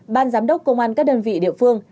ban giám đốc công an các đơn vị địa phương